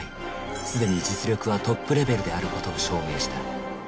すでに実力はトップレベルである事を証明した。